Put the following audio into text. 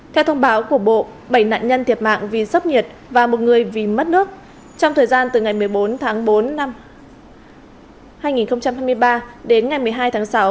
theo thông báo của bộ bảy nạn nhân thiệt mạng vì sốc nhiệt và một người vì mất nước trong thời gian từ ngày một mươi bốn tháng bốn năm hai nghìn hai mươi ba đến ngày một mươi hai tháng sáu